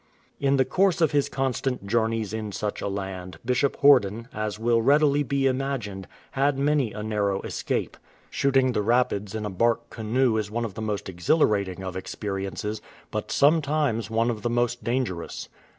*" In the course of his constant journeys in such a land, Bishop Horden, as will readily be imagined, had many a narrow escape. Shooting the rapids in a bark canoe is one of the most exhilarating of experiences, but some times one of the most dangerous.